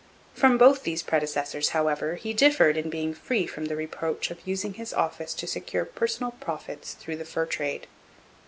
From both these predecessors, however, he differed in being free from the reproach of using his office to secure personal profits through the fur trade.